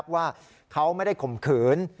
ว่าเขาไม่ได้ข่มขืน